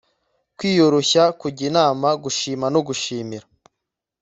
kwiyoroshya, kujya inama, gushima no gushimira